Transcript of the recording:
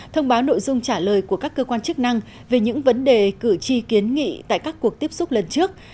thông báo nội dung trả lời của các cơ quan chức năng về những vấn đề cử tri kiến nghị tại các cuộc tiếp xúc lần trước